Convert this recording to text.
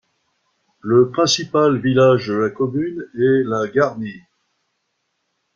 Le principal village de la commune est la Garnie.